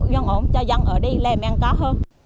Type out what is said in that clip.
dân ổn cho dân ở đây lêm ăn có hơn